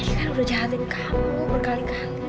dia kan udah jahatin kamu berkali kali